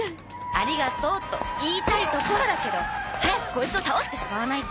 「ありがとう」と言いたいところだけど早くコイツを倒してしまわないと。